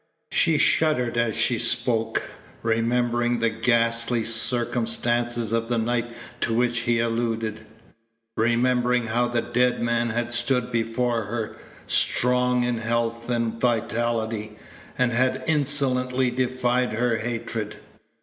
She shuddered as she spoke, remembering the ghastly circumstances of the night to which he alluded remembering how the dead man had stood before her, strong in health and vitality, and had insolently defied her hatred.